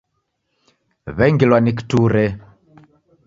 W'engilwa ni kiture.